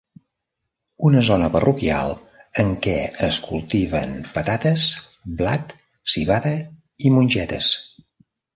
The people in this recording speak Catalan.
Una zona parroquial en què es cultiven patates, blat, civada i mongetes.